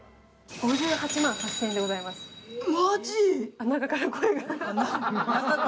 あっ、中から声が。